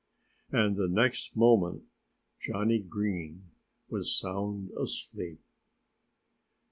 And the next moment, Johnnie Green was sound asleep.